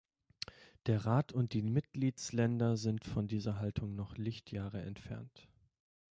Der Rat und die Mitgliedsländer sind von dieser Haltung noch Lichtjahre entfernt.